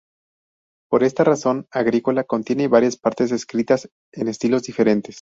Por esta razón, "Agricola" contiene varias partes escritas en estilos diferentes.